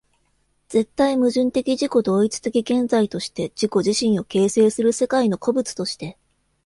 絶対矛盾的自己同一的現在として自己自身を形成する世界の個物として、